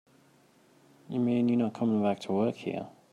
You mean you're not coming back to work here?